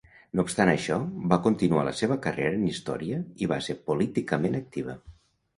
No obstant això, va continuar la seva carrera en història i va ser políticament activa.